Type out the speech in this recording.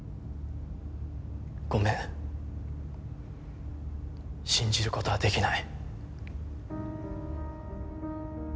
ごめん信じる事はできない。